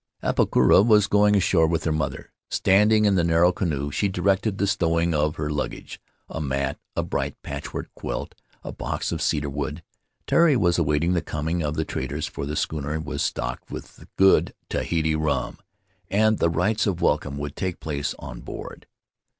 Apakura was going ashore with her mother. Stand ing in the narrow canoe, she directed the stowing of her luggage — a mat, a bright patchwork quilt, a box of cedar wood. Tari was awaiting the coming of the traders, for the schooner was stocked with good Tahiti rum, and the rites of welcome would take place on board.